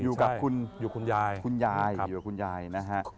อยู่กับคุณอยู่คุณยายคุณยายอยู่กับคุณยายนะฮะ